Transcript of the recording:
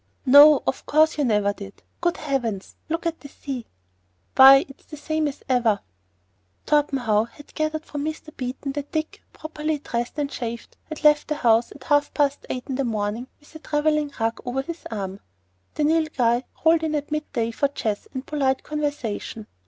"No, of course you never did. Good heavens! look at the sea." "Why, it's the same as ever!" said Maisie. Torpenhow had gathered from Mr. Beeton that Dick, properly dressed and shaved, had left the house at half past eight in the morning with a travelling rug over his arm. The Nilghai rolled in at mid day for chess and polite conversation.